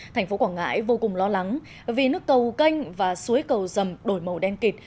thành phố quảng ngãi vô cùng lo lắng vì nước cầu canh và suối cầu rầm đổi màu đen kịt